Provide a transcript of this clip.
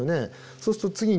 そうすると次に。